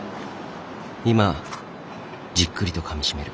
今じっくりとかみしめる。